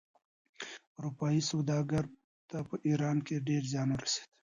اروپايي سوداګرو ته په ایران کې ډېر زیان ورسېد.